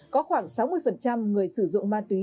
có khoảng sáu mươi người sử dụng ma túy